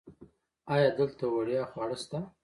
ایا دلته وړیا خواړه شته؟